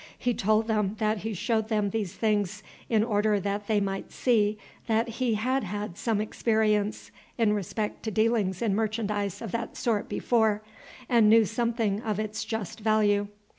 He told them that he showed them these things in order that they might see that he had had some experience in respect to dealings in merchandise of that sort before, and knew something of its just value.